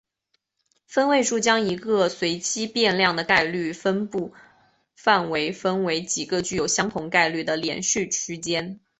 分位数将一个随机变量的概率分布范围分为几个具有相同概率的连续区间。